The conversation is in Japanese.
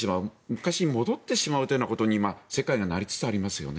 昔に戻ってしまうということに世界がなりつつありますよね。